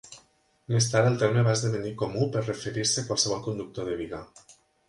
Més tard el terme va esdevenir comú per referir-se a qualsevol conductor de biga.